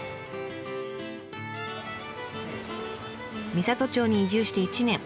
美郷町に移住して１年。